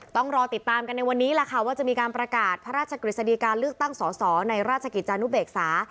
ต้องรอติดตามกันในวันนี้แหละค่ะว่าจะมีการประกาศพระราชกฤษฎีการเลือกตั้งสอสอในราชกิจจานุเบกษา